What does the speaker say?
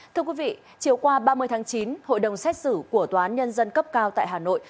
thưa quý vị chiều qua ba mươi tháng chín hội đồng xét xử của tòa án nhân dân cấp cao tại hà nội